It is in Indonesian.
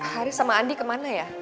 haris sama andi kemana ya